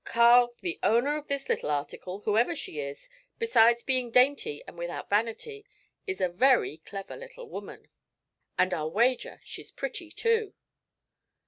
Carl, the owner of this little article, whoever she is, besides being dainty and without vanity, is a very clever little woman, and I'll wager she's pretty, too.'